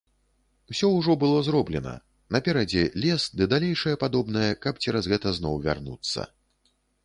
Усё ўжо было зроблена, наперадзе лес ды далейшае падобнае, каб цераз гэта зноў вярнуцца.